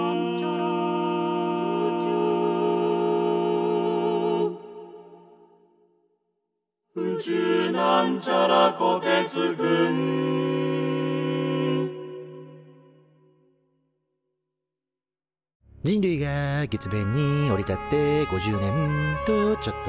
「宇宙」人類が月面に降り立って５０年とちょっと。